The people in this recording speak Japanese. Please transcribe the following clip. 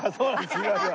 すいません。